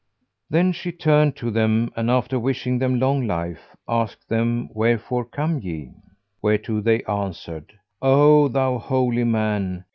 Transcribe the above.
Then she turned to them; and after wishing them long life, asked them "Wherefore come ye?", whereto they answered, "O thou holy man!